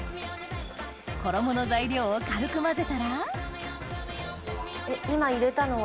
衣の材料を軽く混ぜたら今入れたのは？